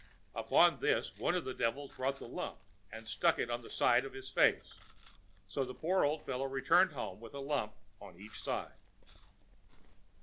Upon this, one of the devils brought the lump, and stuck it on the other side of his face; so the poor old fellow returned home with a lump on each side.